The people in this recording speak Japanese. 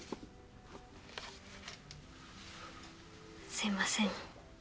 すいません